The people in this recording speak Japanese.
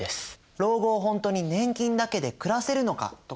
老後をほんとに年金だけで暮らせるのかとかね